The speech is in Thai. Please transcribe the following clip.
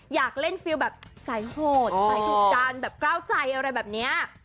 อยากเล่นฟิลแบบสายโหดสายถูกดันแบบกล้าวใจอะไรแบบนี้